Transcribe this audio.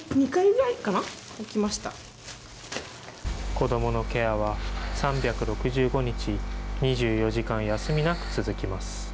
子どものケアは３６５日、２４時間休みなく続きます。